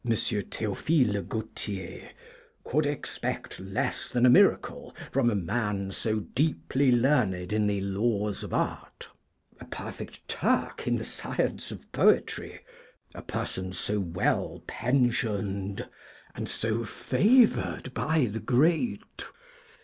Théophile Gautier, 'who could expect less than a miracle from a man so deeply learned in the laws of art a perfect Turk in the science of poetry, a person so well pensioned, and so favoured by the great?'